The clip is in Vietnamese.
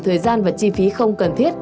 thời gian và chi phí không cần thiết